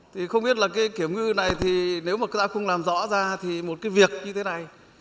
thì không biết là cái kiểm ngư này thì nếu mà người ta không làm rõ ra thì một cái việc như thế này